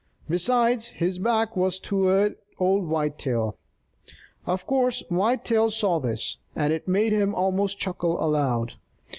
Besides, his back was toward old Whitetail. Of course Whitetail saw this, and it made him almost chuckle aloud.